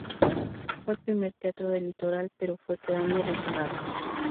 Fue el primer teatro del litoral, pero fue quedando rezagado.